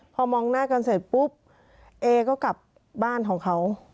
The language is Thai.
พอมองหน้ากันเสร็จปุ๊บเอก็กลับบ้านของเขา